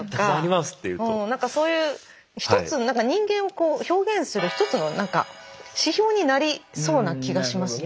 何かそういうひとつ人間を表現するひとつの何か指標になりそうな気がしますね。